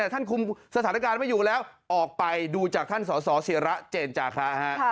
ท่านคุมสถานการณ์ไม่อยู่แล้วออกไปดูจากท่านสสิระเจนจาคะ